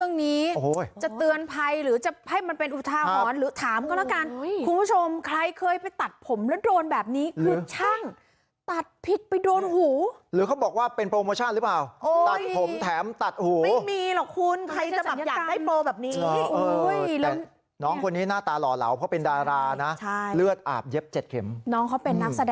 จะเตือนภัยหรือจะให้มันเป็นอุทาหรณ์หรือถามก็แล้วกันคุณผู้ชมใครเคยไปตัดผมแล้วโดนแบบนี้คือช่างตัดผิดไปโดนหูหรือเขาบอกว่าเป็นโปรโมชั่นหรือเปล่าตัดผมแถมตัดหูไม่มีหรอกคุณใครจะแบบอยากได้โปรแบบนี้แต่น้องคนนี้หน้าตาหล่อเหลาเพราะเป็นดารานะใช่เลือดอาบเย็บเจ็ดเข็มน้องเขาเป็นนักแสดง